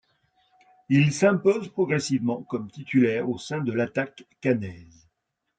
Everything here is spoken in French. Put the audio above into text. Il s'impose progressivement comme titulaire au sein de l'attaque caennaise.